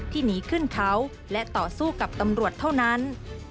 หนีขึ้นเขาและต่อสู้กับตำรวจเท่านั้น